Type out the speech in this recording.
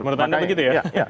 menurut anda begitu ya